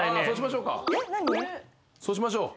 そうしましょう。